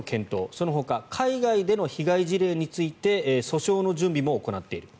そのほか海外での被害じれについて訴訟の準備も行っている。